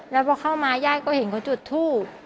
แล้วพอเข้ามาญาติก็เห็นเขาจุดทูบ